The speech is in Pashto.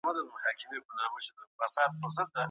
بې مطالعې کسان د ملت د رهبرۍ وړتیا نه لري.